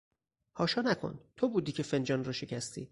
حاشا نکن! تو بودی که فنجان را شکستی!